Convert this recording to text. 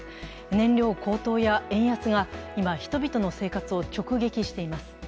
燃料高騰や円安が今、人々の生活を直撃しています。